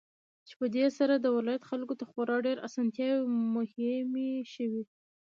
چې په دې سره د ولايت خلكو ته خورا ډېرې اسانتياوې مهيا شوې.